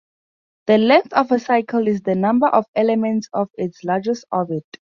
The "length" of a cycle is the number of elements of its largest orbit.